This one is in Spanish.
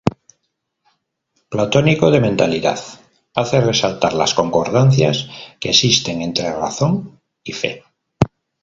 Platónico de mentalidad, hace resaltar las concordancias que existen entre razón y fe.